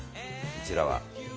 こちらは。